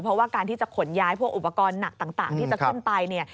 เพราะว่าการที่จะขนย้ายพวกอุปกรณ์หนักต่างที่จะขึ้นไปเนี่ย